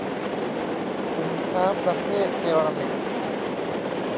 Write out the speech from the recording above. สินค้าประเภทเซรามิก